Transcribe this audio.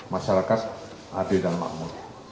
masyarakat adil dan makmur